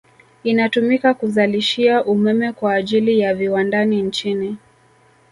Inatumika kuzalishia umeme kwa ajili ya viwandani nchini